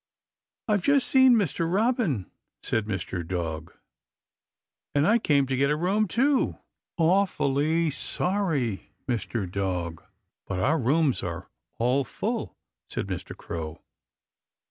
"I've just seen Mr. Robin," said Mr. Dog, "and I came to get a room, too." "Awfully sorry, Mr. Dog, but our rooms are all full," said Mr. Crow.